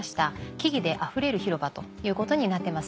木々であふれる広場ということになってます。